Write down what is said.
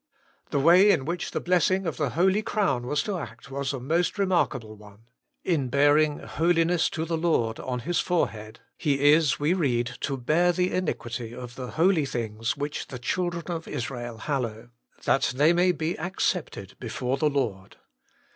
The way in which the blessing of the holy crown was to act was a most remarkable one. In bearing HOLINESS TO THE LORD on his forehead, he is, we read, ' to bear the iniquity of the holy things which the children of Israel hallow ; that they may be accepted before the Lord.'